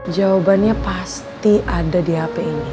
jawabannya pasti ada di hp ini